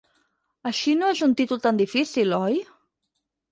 Així no és un títol tan difícil, oi?